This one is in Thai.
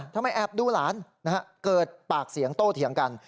ทำไมแอบดูหลานเกิดปากเสียงโตเถียงกัน